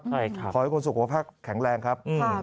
ใช่ครับขอให้คนสุขวัคธิ์แข็งแรงครับอืม